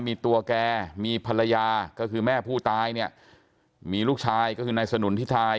มีตัวแกมีภรรยาก็คือแม่ผู้ตายเนี่ยมีลูกชายก็คือนายสนุนทิทาย